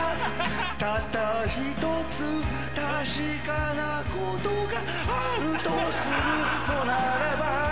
たったひとつ確かなことがあるとするのならば